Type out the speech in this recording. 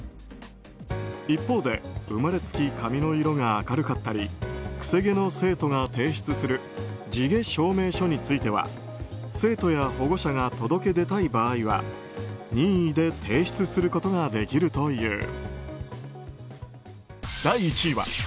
一方で、生まれつき髪の色が明るかったりくせ毛の生徒が提出する地毛証明書については生徒や保護者が届け出たい場合は任意で提出することができるという。